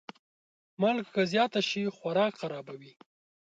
مالګه که زیاته شي، خوراک خرابوي.